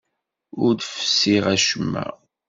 Ur d-fessiɣ acemma.